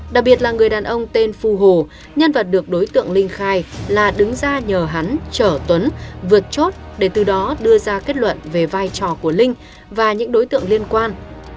đặc biệt là người đàn ông tên phù hồ nhân vật được đối tượng linh khai là đứng ra nhờ hắn chở tuấn vượt chốt để từ đó đưa ra kết luận về vai trò của linh và những đối tượng liên quan